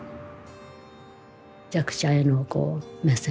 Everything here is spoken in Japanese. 弱者への目線。